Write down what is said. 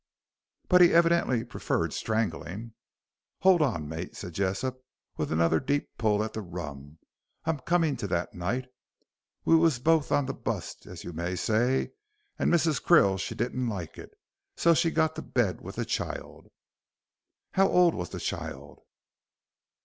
"But he evidently preferred strangling." "Hold on, mate," said Jessop, with another deep pull at the rum. "I'm comin' to that night. We wos both on the bust, as y'may say, and Mrs. Krill she didn't like it, so got to bed with the child." "How old was the child?"